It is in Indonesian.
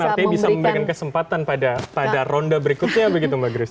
tapi kan artinya bisa memberikan kesempatan pada ronda berikutnya begitu mbak gris